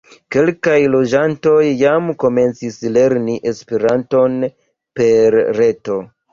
Kelkaj loĝantoj jam komencis lerni Esperanton per reto.